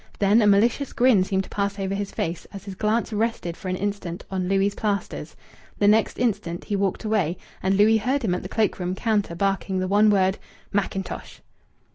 Then a malicious grin seemed to pass over his face as his glance rested for an instant on Louis' plasters. The next instant he walked away, and Louis heard him at the cloak room counter barking the one word, "Mackintosh."